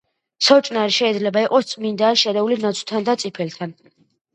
სოჭნარი შეიძლება იყოს წმინდა ან შერეული ნაძვთან და წიფელთან.